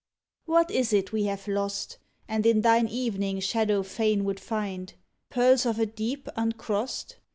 What is it we have lost, And in thine evening shadow fain would find? Pearls of a deep uncrossed?